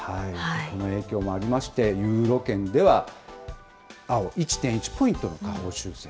この影響もありまして、ユーロ圏では青、１．１ポイントの下方修正。